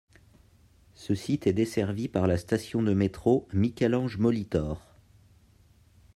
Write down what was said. Ce site est desservi par la station de métro Michel-Ange - Molitor.